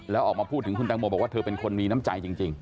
แล้วออกมาพูดถึงคุณแตงโมบอกว่าเธอเป็นคนมีน้ำใจจริง